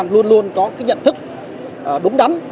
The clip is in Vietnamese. luôn luôn có nhận thức đúng đắn